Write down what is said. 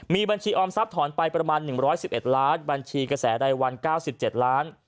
มีบัญชีออมทรัพย์ถอนไปประมาณ๑๑๑ล้านบัญชีกระแสรายวัน๙๗ล้าน